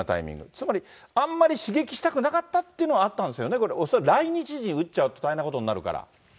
つまりあんまり刺激したくなかったというのはあったんですよね、恐らく来日時に撃っちゃうと大変なことになるから。